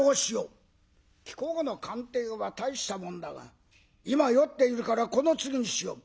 「貴公の鑑定は大したもんだが今酔っているからこの次にしよう」。